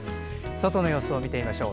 外の様子を見てみましょう。